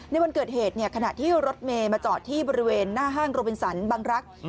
ในวันเกิดเหตุขณะที่รถเมย์มาจอดที่บริเวณหน้าห้างโรบินสันบังรักษ์